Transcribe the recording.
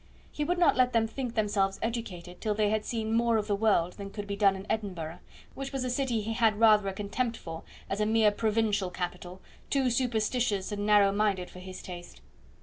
He would not let them think themselves educated till they had seen more of the world than could be done in Edinburgh, which was a city he had rather a contempt for, as a mere provincial capital, too superstitious and narrow minded for his taste.